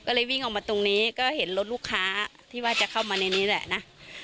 ก็เลยวิ่งออกมาตรงนี้ก็เห็นรถลูกค้าที่ว่าจะเข้ามาในนี้แหละนะ